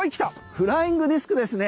フライングディスクですね。